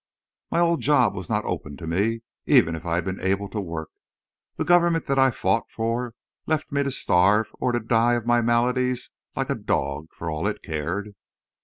My old job was not open to me, even if I had been able to work. The government that I fought for left me to starve, or to die of my maladies like a dog, for all it cared.